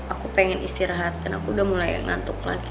aku pengen istirahat karena aku udah mulai ngantuk lagi